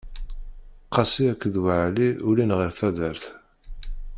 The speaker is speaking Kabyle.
Qasi akked Waɛli ulin ɣer taddart.